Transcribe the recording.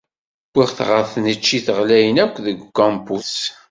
Wwiɣ-t ɣer tneččit ɣlayen akk deg ukampus.